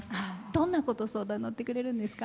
どんなこと相談のってくれるんですか？